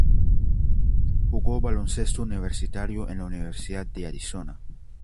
Jugó baloncesto universitario en la Universidad de Arizona.